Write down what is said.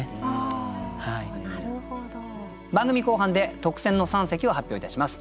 番組後半で特選の三席を発表いたします。